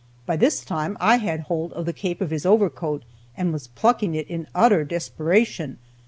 By this time I had hold of the cape of his overcoat and was plucking it in utter desperation.